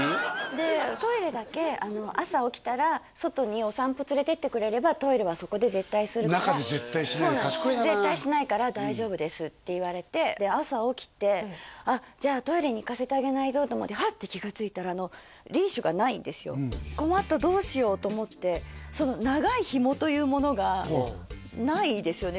でトイレだけ朝起きたら外にお散歩連れていってくれればトイレはそこで絶対するから中で絶対しないんだ賢いんだな「絶対しないから大丈夫です」って言われてで朝起きてじゃあトイレに行かせてあげないとと思ってハッて気がついたら困ったどうしようと思ってその長いひもというものがないですよね